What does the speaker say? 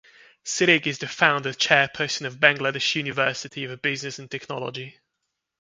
Siddique is the founder chairperson of Bangladesh University of Business and Technology.